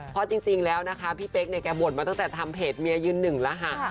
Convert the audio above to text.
เพราะจริงแล้วนะคะพี่เป๊กเนี่ยแกบ่นมาตั้งแต่ทำเพจเมียยืนหนึ่งแล้วค่ะ